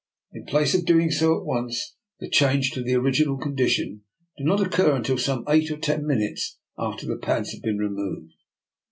In place of doing so at once, the change to the original condition did not occur until some eight or ten minutes after the pads had been removed.